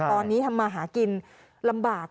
ตอนนี้ทำมาหากินลำบาก